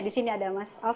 di sini ada mas alvan